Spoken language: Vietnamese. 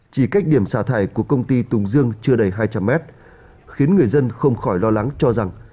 chỉ cách điểm xả thải của công ty tùng dương chưa đầy hai trăm linh mét khiến người dân không khỏi lo lắng cho rằng